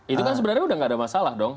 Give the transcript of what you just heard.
itu kan sebenarnya sudah tidak ada masalah dong